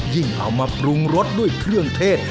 เอามาปรุงรสด้วยเครื่องเทศ